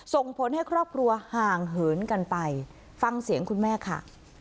ส่งผลให้ครอบครัวห่างเหินกันไปฟังเสียงคุณแม่ค่ะ